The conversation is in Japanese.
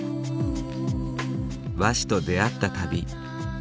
和紙と出会った旅。